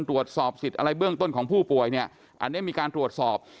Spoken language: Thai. ตรวจสอบสิทธิ์อะไรเบื้องต้นของผู้ป่วยเนี่ยอันนี้มีการตรวจสอบ